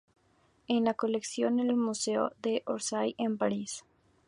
Es en la colección de la Museo de Orsay, en Paris.